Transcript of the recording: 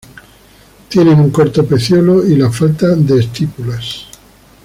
Tienen un corto pecíolo y la falta de estípulas.